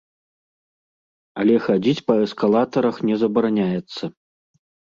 Але хадзіць па эскалатарах не забараняецца.